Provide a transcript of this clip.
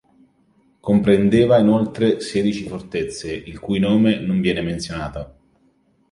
Comprendeva inoltre sedici fortezze il cui nome non viene menzionato.